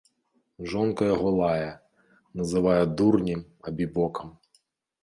Жонка яго лае, называе дурнем, абібокам.